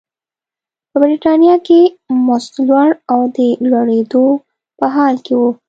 په برېټانیا کې مزد لوړ او د لوړېدو په حال کې و.